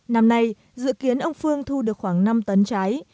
năm nay dự kiến ông phương thu được khoảng năm tấn trái